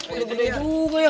udah gede juga ya